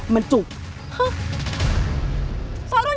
ปล่อยกูมาเถอะ